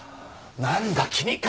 なんだ君か。